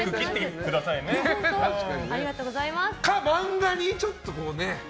か、漫画にちょっとね。